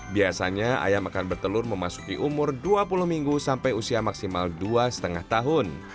biasanya ayam akan bertelur memasuki umur dua puluh minggu sampai usia maksimal dua lima tahun